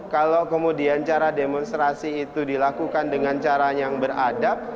kalau kemudian cara demonstrasi itu dilakukan dengan cara yang beradab